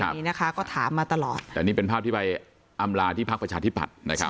อย่างนี้นะคะก็ถามมาตลอดแต่อันนี้เป็นภาพที่ไปอำราธิภาคประชาธิปัฏภ์นะครับ